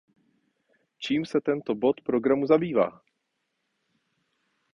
Čím se tento bod programu zabývá?